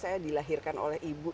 saya dilahirkan oleh ibu